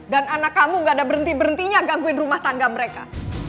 dan anak kamu gak ada berhenti berhentinya gangguin rumah tangga mereka